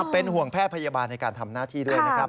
เป็นห่วงแพทย์พยาบาลในการทำหน้าที่ด้วยนะครับ